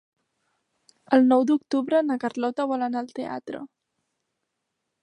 El nou d'octubre na Carlota vol anar al teatre.